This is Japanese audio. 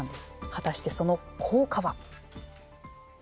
果たしてその効果は？